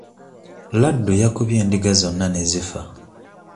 Laddu yakubye endiga zonna ne zifa.